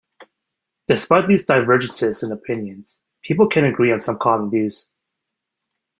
Despite these divergences in opinions, people can agree on some common views.